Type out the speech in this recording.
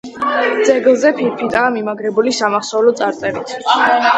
ძეგლზე ფირფიტაა მიმაგრებული სამახსოვრო წარწერით.